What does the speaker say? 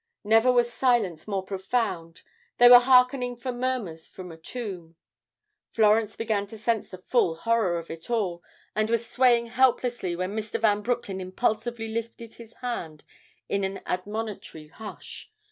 Never was silence more profound; they were hearkening for murmurs from a tomb. Florence began to sense the full horror of it all, and was swaying helplessly when Mr. Van Broecklyn impulsively lifted his hand in an admonitory Hush!